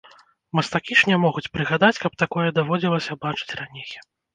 Мастакі ж не могуць прыгадаць, каб такое даводзілася бачыць раней.